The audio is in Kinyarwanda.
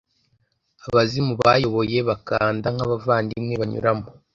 abazimu bayoboye, bakanda nkabavandimwe banyuramo